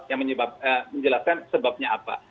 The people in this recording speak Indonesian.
yang menjelaskan sebabnya apa